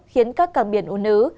khiến các càng biển u nứ